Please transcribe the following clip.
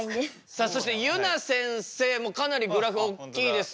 さあそしてゆなせんせいもかなりグラフおっきいですが。